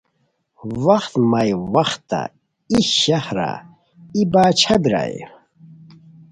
وختہ مائی وختہ ای شہرا ای باچھا بیرائے